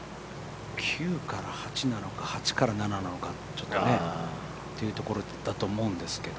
９から８なのか８から７なのか、ちょっとねというところだと思うんですけど。